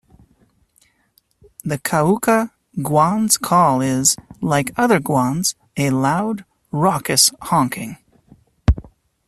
The Cauca guan’s call is, like other guans, a loud, raucous honking.